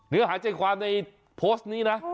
เนื้อหาใจความในโพสต์นี้นะ